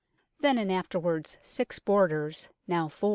Then and afterwards 6 bordars ; now 4.